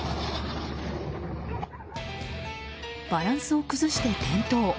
バランスを崩して転倒。